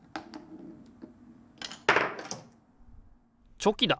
チョキだ！